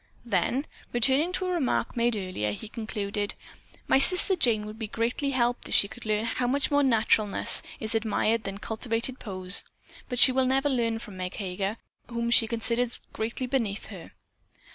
Then, returning to a remark made earlier, he concluded: "My sister Jane would be greatly helped if she could see how much more naturalness is admired than cultivated poses, but she will never learn from Meg Heger, whom she considers greatly beneath her."